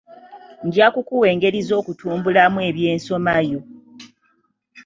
Nja kukuwa engeri z'okutumbulamu eby'ensomaayo.